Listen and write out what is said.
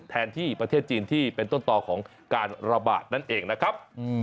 แทนที่ประเทศจีนที่เป็นต้นต่อของการระบาดนั่นเองนะครับ